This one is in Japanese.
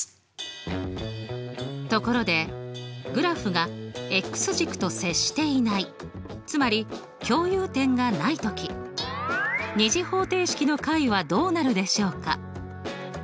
ところでグラフが軸と接していないつまり共有点がない時２次方程式の解はどうなるでしょうか？